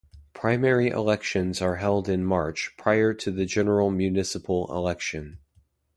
Primary elections are held in March prior to the general municipal election.